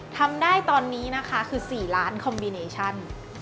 ทำได้ตอนนี้นะคะคือ๔ล้านคอมมิเนชั่น